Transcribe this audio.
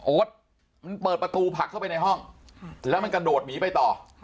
มันเปิดประตูผลักเข้าไปในห้องแล้วมันกระโดดหนีไปต่อ